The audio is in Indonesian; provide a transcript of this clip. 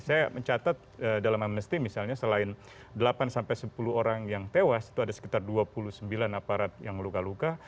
saya mencatat dalam amnesty misalnya selain delapan sampai sepuluh orang yang tewas itu ada sekitar dua puluh sembilan aparat yang luka luka